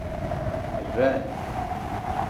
Rran.